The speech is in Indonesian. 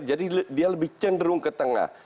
jadi dia lebih cenderung ke tengah